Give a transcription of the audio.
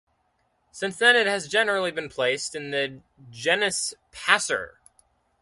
Since then it has generally been placed in the genus "Passer".